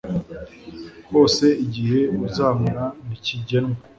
hose Igihe uzamara ntikigenwe